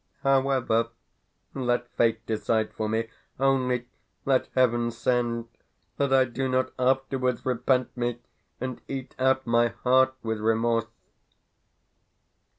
However, let fate decide for me. Only, let Heaven send that I do not afterwards repent me, and eat out my heart with remorse!"